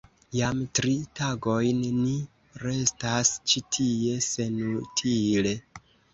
Jam tri tagojn ni restas ĉi tie senutile!